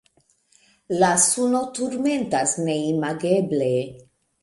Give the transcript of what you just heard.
La suno turmentas neimageble.